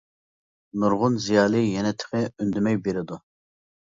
نۇرغۇن زىيالىي يەنە تېخى ئۈندىمەي بېرىدۇ.